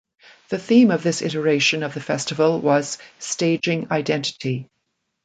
The theme of this iteration of the festival was "Staging Identity".